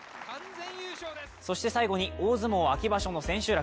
そして最後に大相撲秋場所の千秋楽。